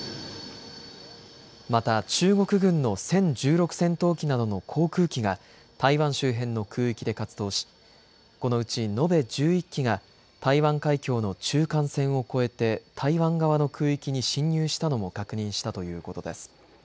また中国軍の殲１６戦闘機などの航空機が台湾周辺の空域で活動しこのうち延べ１１機が台湾海峡の中間線を越えて台湾側の空域に進入したのも確認したということです。